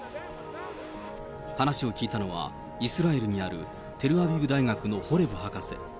話を聞いたのは、イスラエルにあるテルアビブ大学のホレブ博士。